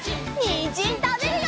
にんじんたべるよ！